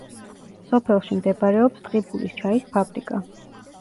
სოფელში მდებარეობს ტყიბულის ჩაის ფაბრიკა.